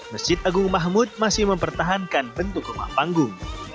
masjid agung mahmud masih mempertahankan bentuk rumah panggung